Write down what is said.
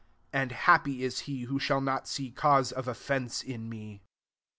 6 And happy is he who shall not see cause of offence in me."